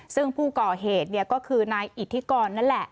ซึ่งผู้ก่อเหตุก็คือนายอิทธิกรนั่นแหละ